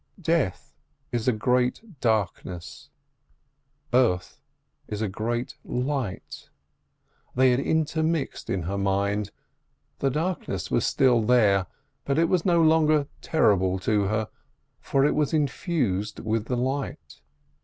Death is a great darkness, birth is a great light—they had intermixed in her mind; the darkness was still there, but it was no longer terrible to her, for it was infused with the light.